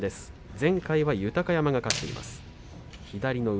前回は豊山が勝っています。